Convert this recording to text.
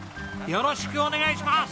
よろしくお願いします！